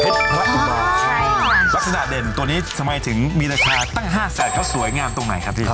ลักษณะเด่นตัวนี้สมัยถึงมีราชาตั้ง๕แสดเขาสวยงามตรงไหนครับที่